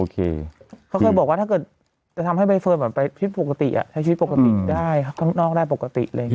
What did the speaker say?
เขาเคยบอกว่าถ้าเกิดจะทำให้ใบเฟิร์นเหมือนไปชีวิตปกติใช้ชีวิตปกติได้ข้างนอกได้ปกติอะไรอย่างนี้